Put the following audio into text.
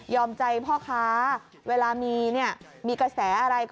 ใจพ่อค้าเวลามีเนี่ยมีกระแสอะไรก็